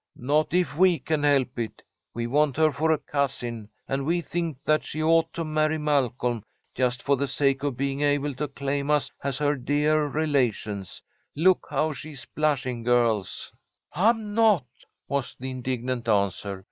"Not if we can help it. We want her for a cousin, and we think that she ought to marry Malcolm just for the sake of being able to claim us as her dear relations. Look how she's blushing, girls." "I'm not!" was the indignant answer.